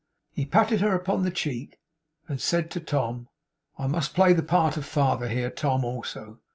He patted her upon the cheek, and said to Tom: 'I must play the part of a father here, Tom, also.